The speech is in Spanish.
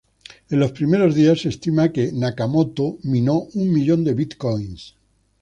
En los primeros días, se estima que Nakamoto minó un millón de bitcoins.